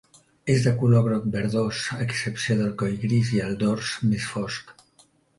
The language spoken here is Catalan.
És de color groc-verdós, a excepció del coll gris i el dors més fosc.